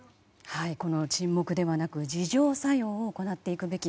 沈黙ではなく自浄作用を行っていくべき。